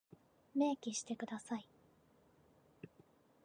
明記してください。